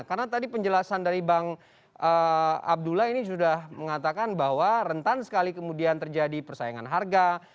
karena tadi penjelasan dari bang abdullah ini sudah mengatakan bahwa rentan sekali kemudian terjadi persaingan harga